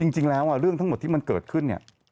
จริงแล้วเรื่องทั้งหมดที่มันเกิดขึ้นเนี่ย